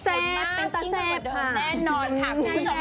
แต่งตัวเงินแจลงแน่นอนค่ะ